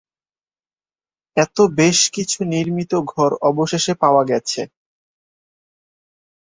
এত বেশ কিছু নির্মিত ঘর অবশেষ পাওয়া গেছে।